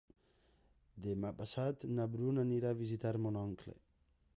Demà passat na Bruna anirà a visitar mon oncle.